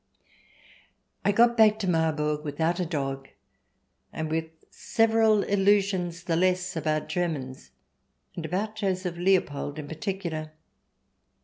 I got back to Marburg without a dog, and with several illusions the less about Germans, and about Joseph Leopold in particular.